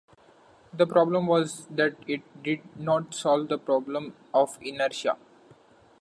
The problem was that it did not solve the problem of inertia.